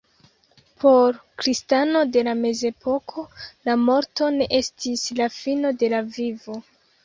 Por kristano de la mezepoko la morto ne estis la fino de la vivo.